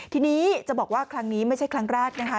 ทีนี้จะบอกว่าครั้งนี้ไม่ใช่ครั้งแรกนะคะ